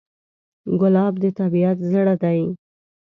ګلاب د طبیعت زړه دی.